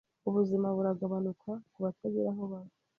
Ubuzima buragabanuka kubatagira aho baba